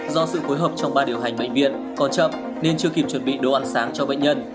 do sự phối hợp trong ban điều hành bệnh viện còn chậm nên chưa kịp chuẩn bị đồ ăn sáng cho bệnh nhân